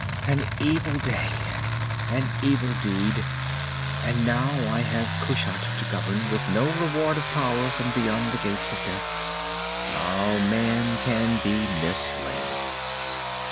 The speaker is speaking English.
"An evil day, an evil deed. And now I have Kushat to govern, with no reward of power from beyond the Gates of Death. How man can be misled!"